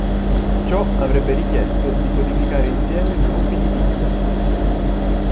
Ciò avrebbe richiesto di codificare insieme gruppi di pixel.